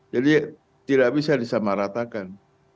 jadi tidak bisa disamaratakan